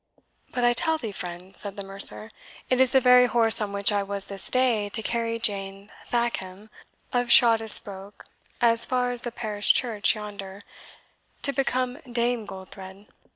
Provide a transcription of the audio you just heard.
"But I tell thee, friend," said the mercer, "it is the very horse on which I was this day to carry Jane Thackham, of Shottesbrok, as far as the parish church yonder, to become Dame Goldthred.